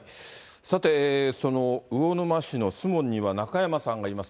さて、その魚沼市の守門には中山さんがいます。